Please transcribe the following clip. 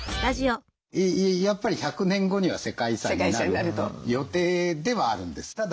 やっぱり１００年後には世界遺産になる予定ではあるんです。